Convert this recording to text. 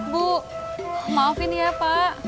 bu maafin ya pak